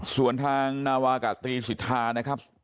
ส่วนทางนาวากาตรีสิทธานะครับ